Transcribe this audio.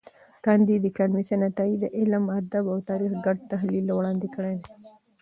کانديد اکاډميسن عطایي د علم، ادب او تاریخ ګډ تحلیل وړاندي کړی دی.